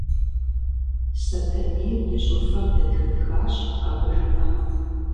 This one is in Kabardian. Сэтэней и щӀыфэр дэтхытхащ абы жиӀам.